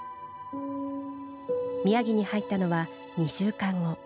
宮城に入ったのは２週間後。